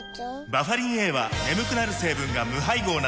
バファリンＡは眠くなる成分が無配合なんです